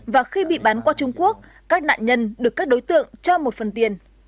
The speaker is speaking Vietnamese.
và khi bị bán qua trung quốc các nạn nhân được các đối tượng cho một phần tiền